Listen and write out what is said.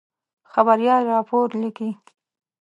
خبریال راپور لیکي.